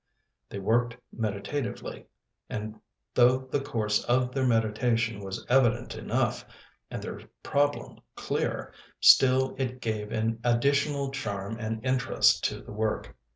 They worked meditatively, and though the course of their meditation was evident enough, and their problem clear, still it gave an additional charm and interest to the work.